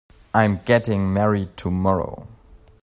I'm getting married tomorrow.